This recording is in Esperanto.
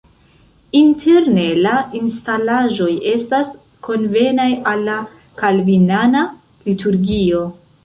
Interne la instalaĵoj estas konvenaj al la kalvinana liturgio.